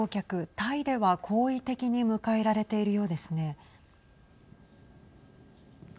タイでは好意的に迎えられているようですね。